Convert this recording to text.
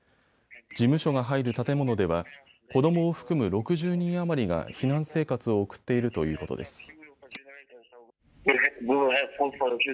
事務所が入る建物では子どもを含む６０人余りが避難生活を送っているということです。